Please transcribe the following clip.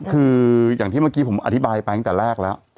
คืออย่างที่เมื่อกี้ผมอธิบายไปตั้งแต่แรกแล้ว